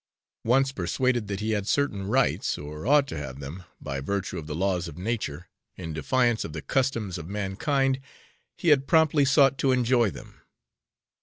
Once persuaded that he had certain rights, or ought to have them, by virtue of the laws of nature, in defiance of the customs of mankind, he had promptly sought to enjoy them.